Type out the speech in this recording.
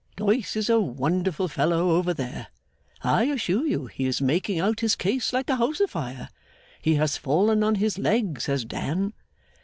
Doyce is a wonderful fellow over there. I assure you he is making out his case like a house a fire. He has fallen on his legs, has Dan.